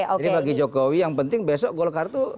jadi bagi jokowi yang penting besok golkar itu